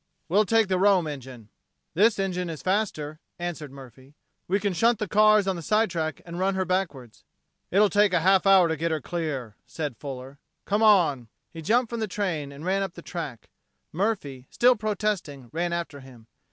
"We'll take the Rome engine." "This engine is faster," answered Murphy. "We can shunt the cars on the side track and run her backwards." "It'll take a half hour to get her clear," said Fuller. "Come on!" He jumped from the train, and ran up the track. Murphy, still protesting, ran after him.